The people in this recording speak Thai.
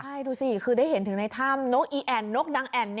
ใช่ดูสิคือได้เห็นถึงในถ้ำนกอีแอ่นนกดังแอ่น